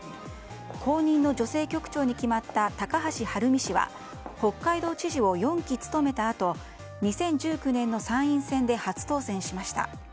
後任の女性局長に決まった高橋はるみ氏は北海道知事を４期務めたあと２００９年の参院選で初当選しました。